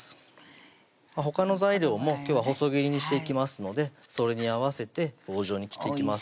ほかの材料も今日は細切りにしていきますのでそれに合わせて棒状に切っていきます